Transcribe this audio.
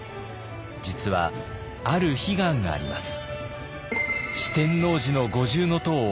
実はある悲願があります。